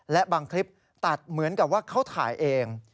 และบางคลิปตัดเหมือนกับว่าเขาถ่ายเอง